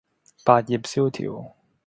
百業蕭條